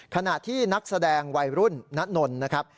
ขณะที่นักแสดงวัยรุ่นณนนท์นะครับ